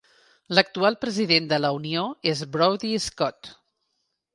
L'actual president de la Unió és Brodie Scott.